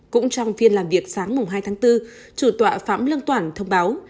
cũng trong phiên làm việc sáng hai tháng bốn chủ tọa phạm lương toản thông báo